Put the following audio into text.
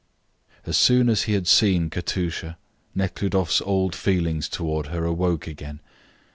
As soon as he had seen Katusha Nekhludoff's old feelings toward her awoke again.